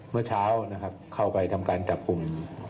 เมื่อเช้าเข้าไปทำการจับปุ่ม